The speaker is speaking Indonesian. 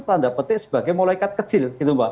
tanda petik sebagai molekat kecil